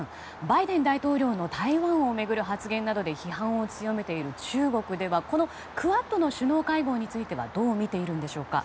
バイデン大統領の台湾を巡る発言などで批判を強めている中国ではクアッドの首脳会合についてはどう見ているんでしょうか。